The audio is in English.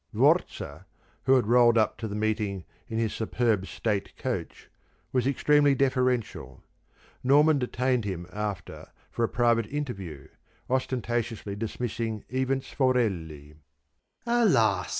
Vorza, who had rolled up to the meeting in his superb state coach, was extremely deferential. Norman detained him after for a private interview, ostentatiously dismissing even Sforelli. "Alas!"